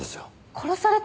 殺された！？